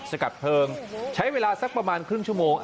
สกัดเพลิงใช้เวลาสักประมาณครึ่งชั่วโมง